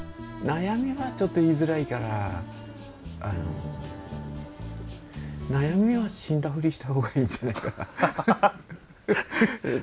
悩みはちょっと言いづらいから悩みは死んだふりした方がいいんじゃないかな。